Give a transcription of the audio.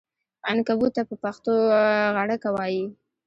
عنکبوت ته په پښتو غڼکه وایې!